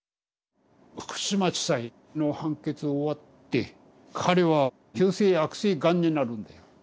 福島地裁の判決終わって彼は急性悪性がんになるんだよ。